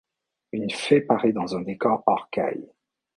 Une fée parait dans un décor orcaille.